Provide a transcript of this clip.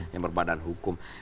yang berbadan hukum